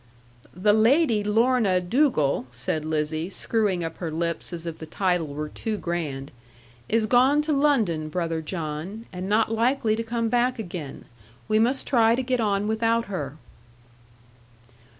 'The Lady Lorna Dugal,' said Lizzie, screwing up her lips as if the title were too grand, 'is gone to London, brother John; and not likely to come back again. We must try to get on without her.'